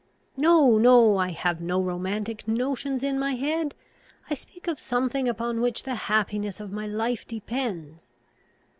"No, no: I have no romantic notions in my head. I speak of something upon which the happiness of my life depends."